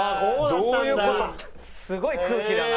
すごい空気だな。